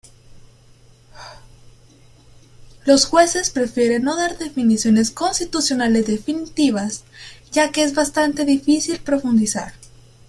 Los jueces prefieren no dar definiciones constitucionales definitivas, ya que es bastante difícil profundizar.